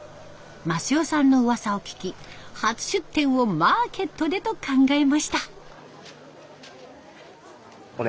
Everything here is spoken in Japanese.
益代さんのうわさを聞き初出店をマーケットでと考えました。